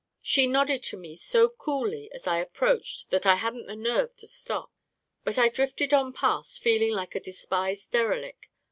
She nodded to me so coolly as I approached that I hadn't the nerve to stop, but So A KING IN BABYLON drifted on past, feeling like a despised derelict.